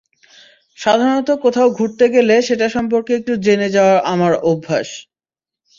সাধারণত কোথাও ঘুরতে গেলে সেটা সম্পর্কে একটু জেনে যাওয়া আমার অভ্যাস।